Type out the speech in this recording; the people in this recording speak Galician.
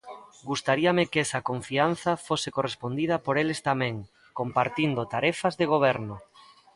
Gustaríame que esa confianza fose correspondida por eles tamén, compartindo tarefas de goberno.